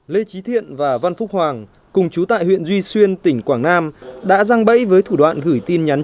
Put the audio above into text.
lê trí thiện và văn phúc hoàng cùng chú tại huyện duy xuyên tỉnh quảng nam đã răng bẫy với thủ đoạn gửi tin nhắn